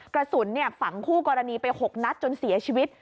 กระสุนฝังคู่กรณีไป๖นัดจนเสียชีวิต